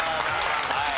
はい。